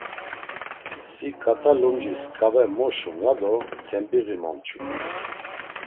Si ǩat̆a lumcis ǩave mo şum ya do tembiği momçu.